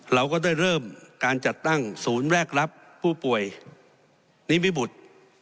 เราก็ได้เริ่มการจัดตั้งศูนย์แรกรับผู้ป่วยนิมิบุตร